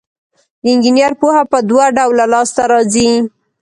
د انجینر پوهه په دوه ډوله لاس ته راځي.